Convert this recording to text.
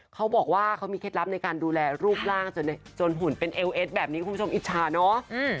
เขาบอกว่าเขามีเคล็ดลับในการดูแลรูปร่างจนหุ่นเป็นเอลเอสแบบนี้คุณผู้ชมอิจฉาเนาะ